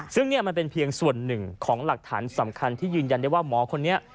ซึ่งนี่มันเป็นเพียงส่วนหนึ่งของหลักฐานสำคัญที่ยืนยันได้ว่าหมอคนนี้